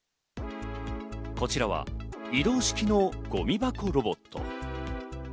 こちらは移動式のゴミ箱ロボット。